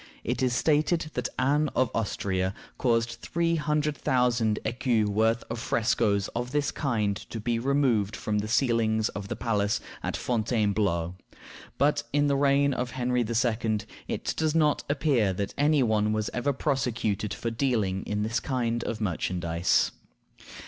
It is stated that Anne of Austria caused three hundred thousand écus worth of frescoes of this kind to be removed from the ceilings of the palace at Fontainebleau. But in the reign of Henry II. it does not appear that any one was ever prosecuted for dealing in this kind of merchandise.